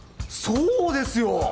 そうですよ。